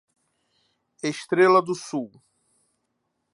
Estrela do Sul